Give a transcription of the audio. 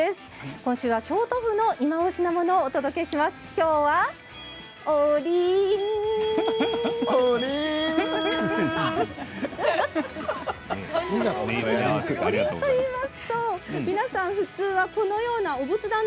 今週は京都府のいまオシなものをお届けしていきます。